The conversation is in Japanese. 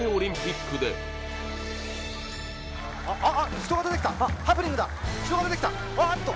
人が出てきたハプニングだ人が出てきたああっと